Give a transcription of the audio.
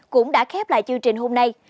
cũng đã khép lại chương trình hôm nay